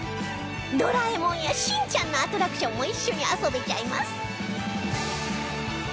『ドラえもん』や『しんちゃん』のアトラクションも一緒に遊べちゃいます